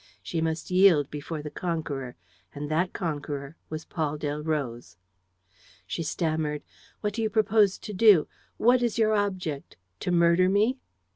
She must yield before the conqueror; and that conqueror was Paul Delroze. She stammered: "What do you propose to do? What is your object? To murder me?"